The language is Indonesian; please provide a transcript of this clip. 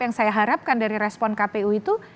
yang saya harapkan dari respon kpu itu